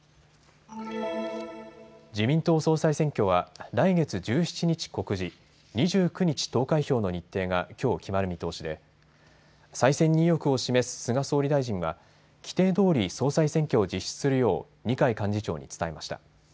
自民党総裁選挙は来月１７日告示、２９日投開票の日程がきょう決まる見通しで再選に意欲を示す菅総理大臣は規定どおり総裁選挙を実施するよう、二階幹事長に伝えました。